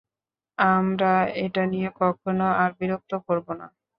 আমরা এটা নিয়ে কখনও আর বিতর্ক করব না।